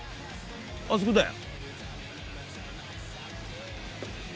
あそこだよ。